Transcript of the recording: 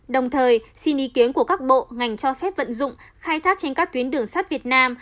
đồng thời xin ý kiến của các bộ ngành cho phép vận dụng khai thác trên các tuyến đường sắt việt nam